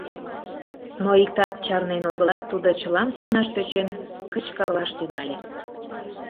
Но иктат чарнен огылат, тудо чылам сеҥаш тӧчен, кычкырлаш тӱҥале: